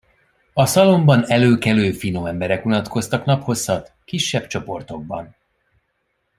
A szalonban előkelő, finom emberek unatkoztak naphosszat, kisebb csoportokban.